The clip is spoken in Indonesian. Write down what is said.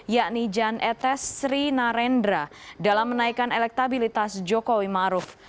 yakni jan etes sri narendra dalam menaikkan elektabilitas jokowi maruf